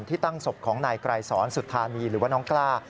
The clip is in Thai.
ตั้งศพของนายไกรสอนสุธานีหรือว่าน้องกล้า